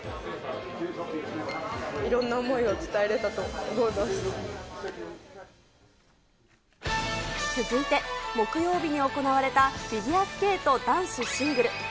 いろんな思いを伝えられたと思い続いて、木曜日に行われたフィギュアスケート男子シングル。